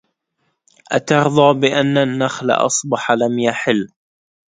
أترضى بأن النخل أصبح لم يحل